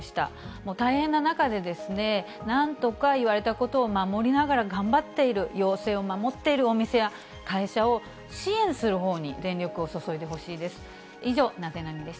もう大変な中でですね、なんとか言われたことを守りながら頑張っている、要請を守っているお店や会社を支援するほうに全力を注いでほしいです。